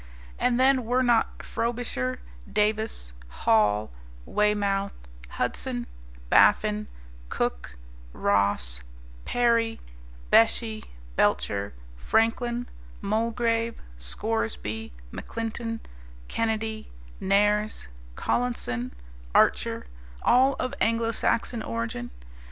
And then were not Frobisher, Davis, Hall, Weymouth, Hudson, Baffin, Cook, Ross, Parry, Bechey, Belcher, Franklin, Mulgrave, Scoresby, MacClinton, Kennedy, Nares, Collinson, Archer, all of Anglo Saxon origin?